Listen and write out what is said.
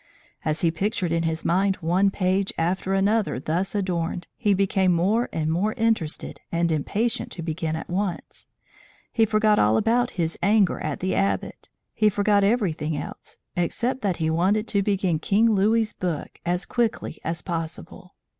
As he pictured in his mind one page after another thus adorned, he became more and more interested and impatient to begin at once. He forgot all about his anger at the Abbot; he forgot everything else, except that he wanted to begin King Louis's book as quickly as possible!